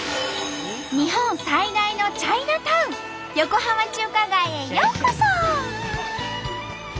日本最大のチャイナタウン横浜中華街へようこそ！